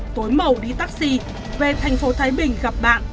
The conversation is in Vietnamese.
tối màu đi taxi về thành phố thái bình gặp bạn